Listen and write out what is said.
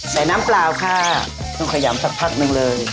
น้ำเปล่าค่ะต้องขยำสักพักหนึ่งเลย